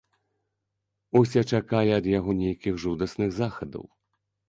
Усе чакалі ад яго нейкіх жудасных захадаў.